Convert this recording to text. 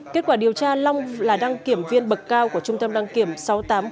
kết quả điều tra long là đăng kiểm viên bậc cao của trung tâm đăng kiểm sáu nghìn tám trăm linh một s